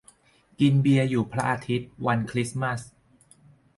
กินเบียร์อยู่พระอาทิตย์ วันคริสต์มาส